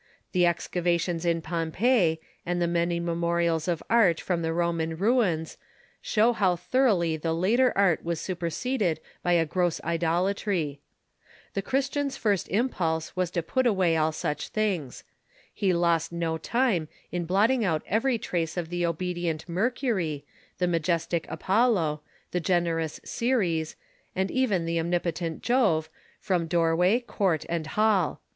The excavations in Pompeii, and the many memo rials of art from the Roman ruins, show how thoroughly the later art was superseded by a gross idolatry. The Christian's first impulse was to put away all such things. He lost no time in blotting out every trace of the obedient Mercury, the majestic Apollo, the generous Ceres, and even the omnipotent Jove, from doorway, court, and hall.